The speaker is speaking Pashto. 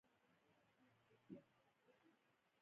د جوارو وږی پوښ لري.